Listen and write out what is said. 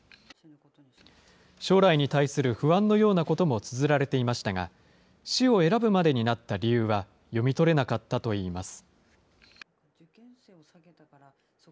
将来に対する不安のようなこともつづられていましたが、死を選ぶまでになった理由は読み取れなかったといいます。